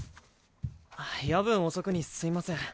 夜分遅くにすいません。